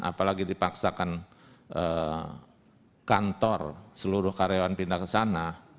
apalagi dipaksakan kantor seluruh karyawan pindah ke sana